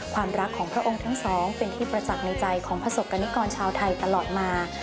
ความรักของพระองค์ทั้งสองเป็นที่ประจักษ์ในใจของประสบกรณิกรชาวไทยตลอดมา